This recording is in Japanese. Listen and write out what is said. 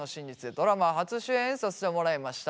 ドラマ初主演させてもらいました。